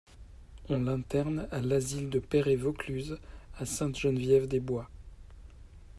On l'interne à l'asile de Perray-Vaucluse, à Sainte-Geneviève-des-Bois.